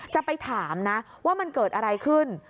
จะไปถามนะว่ามันเกิดอะไรขึ้น